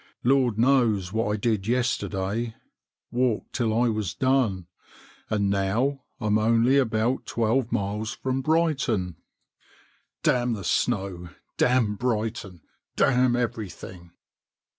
"Lord knows what I did yester day. Walked till I was done, and now I'm only about twelve miles from Brighton. ON THE BRIGHTON ROAD 81 Damn the snow, damn Brighton, damn everything!"